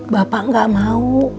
bapak gak mau